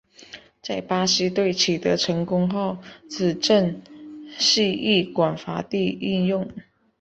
在巴西队取得成功后此阵式亦广泛地应用。